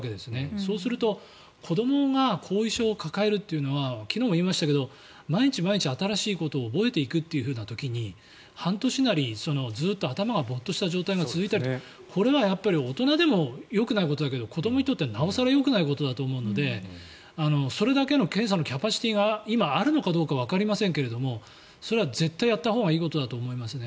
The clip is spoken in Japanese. そうすると、子どもが後遺症を抱えるというのは昨日も言いましたけど毎日、新しいことを覚えていくという時に半年なりずっと頭がボーッとする状態が続いたりというのは大人でもよくないことだけど子どもにとってはなお更よくないことだと思うのでそれだけの検査のキャパシティーが今、あるのかどうかわかりませんけどもそれは絶対にやったほうがいいことだと思いますね。